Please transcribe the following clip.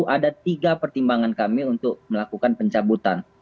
ada tiga pertimbangan kami untuk melakukan pencabutan